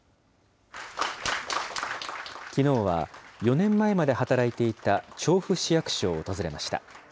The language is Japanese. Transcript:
きのうは４年前まで働いていた調布市役所を訪れました。